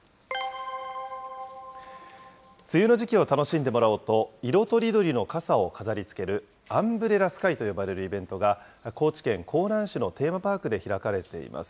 梅雨の時期を楽しんでもらおうと、色とりどりの傘を飾りつける、アンブレラスカイと呼ばれるイベントが、高知県香南市のテーマパークで開かれています。